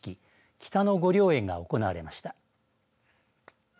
北野御霊会が行われました。